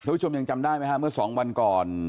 สวัสดีคุณผู้ชมยังจำได้ไหมฮะเมื่อสองวันก่อน